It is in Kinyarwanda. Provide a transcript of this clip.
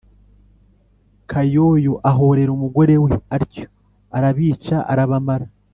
kayoyo ahorera umugore we atyo, arabica arabamara.